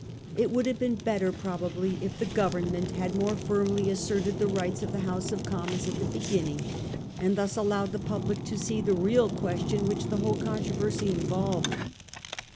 It would have been better probably if the Government had more firmly asserted the rights of the House of Commons at the beginning, and thus allowed the public to see the real question which the whole controversy involved.